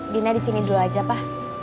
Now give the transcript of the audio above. dina disini dulu aja pa